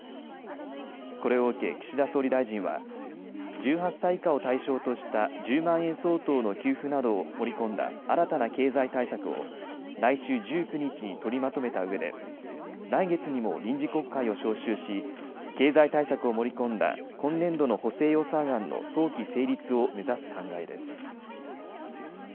これを受け岸田総理大臣は１８歳以下を対象とした１０万円相当の給付などを盛り込んだ新たな経済対策を来週１９日に取りまとめたうえで来月にも臨時国会を召集し経済対策を盛り込んだ今年度の補正予算案の早期成立を目指す考えです。